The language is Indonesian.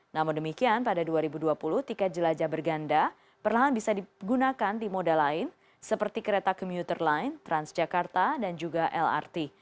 namun demikian pada dua ribu dua puluh tiket jelajah berganda perlahan bisa digunakan di moda lain seperti kereta komuter line transjakarta dan juga lrt